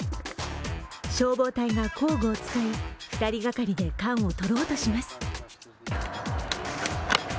消防隊が工具を使い２人掛かりで缶をとろうとします。